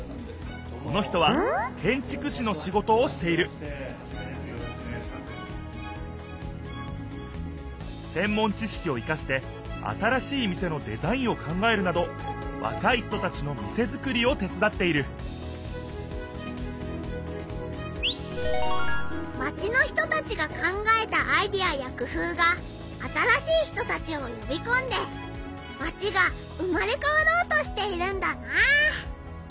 この人は建ちく士のしごとをしているせん門知しきを生かして新しい店のデザインを考えるなどわかい人たちの店作りを手つだっているマチの人たちが考えたアイデアやくふうが新しい人たちをよびこんでマチが生まれ変わろうとしているんだな。